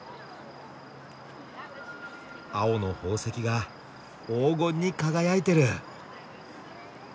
青の宝石が黄金に輝いてる！